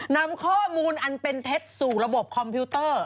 นำข้อมูลอันเป็นเท็จสู่ระบบคอมพิวเตอร์